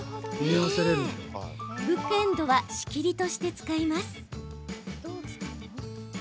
ブックエンドは仕切りとして使います。